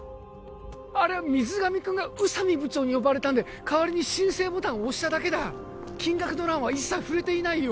あれは水上くんが宇佐美部長に呼ばれたんでかわりに申請ボタンを押しただけだ金額の欄は一切触れていないよ